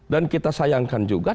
dan kita sayangkan juga